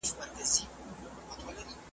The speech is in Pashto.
خبره د عادت ده .